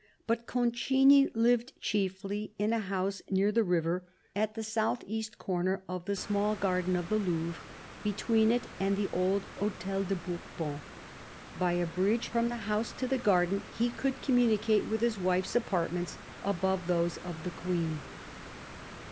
But Concini lived chiefly in a house near the river, at the south east corner of the small garden of the Louvre, between it and the old Hotel de Bourbon. By a bridge from the house to the garden he could com municate with his wife's apartments, above those of the Queen.